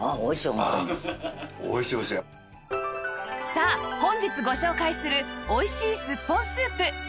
さあ本日ご紹介する美味しいすっぽんスープ